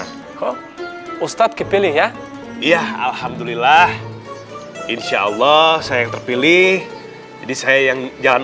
kok ustadz kepilih ya iya alhamdulillah insyaallah saya yang terpilih jadi saya yang jalan